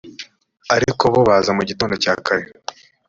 ariko bo baza mu gitondo cya kare